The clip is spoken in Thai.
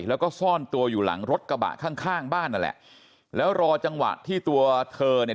แล้วก็ซ่อนตัวอยู่หลังรถกระบะข้างข้างบ้านนั่นแหละแล้วรอจังหวะที่ตัวเธอเนี่ย